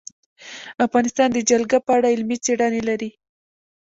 افغانستان د جلګه په اړه علمي څېړنې لري.